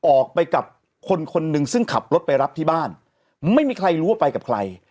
ออกไปกับคนคนหนึ่งซึ่งขับรถไปรับที่บ้านไม่มีใครรู้ว่าไปกับใคร